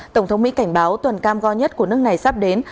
tổng thống mỹ cảnh báo tuần cam go nhất của nước này sắp đến